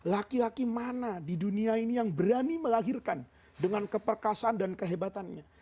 laki laki mana di dunia ini yang berani melahirkan dengan keperkasaan dan kehebatannya